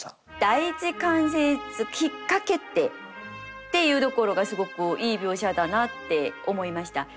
「第一関節引っ掛けて」っていうところがすごくいい描写だなって思いました。